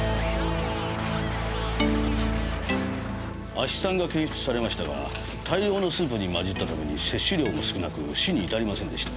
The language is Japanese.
亜ヒ酸が検出されましたが大量のスープに混じったために摂取量も少なく死に至りませんでした。